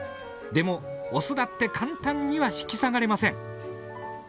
でもオスだって簡単には引き下がれません。